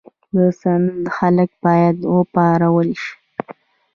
د سند خلک باید وپارول شي.